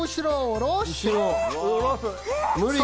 無理。